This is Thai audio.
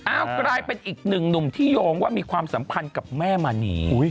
กลายเป็นอีกหนึ่งหนุ่มที่โยงว่ามีความสัมพันธ์กับแม่มณี